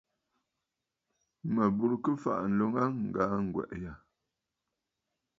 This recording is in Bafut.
Mə bùrə kɨ fàʼà ǹloln aa ŋgaa ŋgwɛ̀ʼɛ̀ yâ.